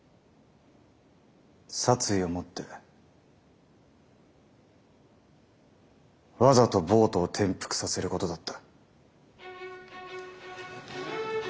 殺意をもってわざとボートを転覆させることだった。